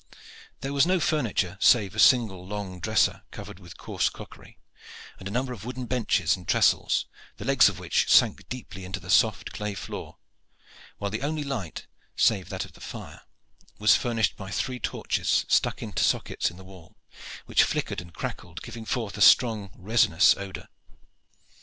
There was no furniture, save a single long dresser covered with coarse crockery, and a number of wooden benches and trestles, the legs of which sank deeply into the soft clay floor, while the only light, save that of the fire, was furnished by three torches stuck in sockets on the wall, which flickered and crackled, giving forth a strong resinous odor.